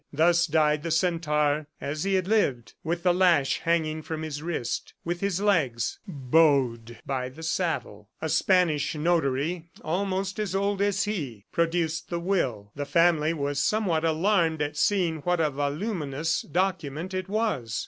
Thus died the centaur as he had lived, with the lash hanging from his wrist, with his legs bowed by the saddle. A Spanish notary, almost as old as he, produced the will. The family was somewhat alarmed at seeing what a voluminous document it was.